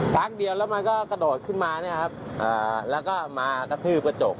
ทั้งเดียวแล้วมันก็กระโดดขึ้นมาแล้วก็มากระทืบกระจก